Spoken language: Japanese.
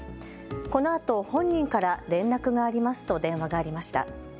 このあと本人から連絡がありますと電話がありました。